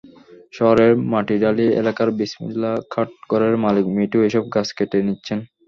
শহরের মাটিডালি এলাকার বিসমিল্লাহ কাঠ ঘরের মালিক মিঠু এসব গাছ কেটে নিচ্ছেন।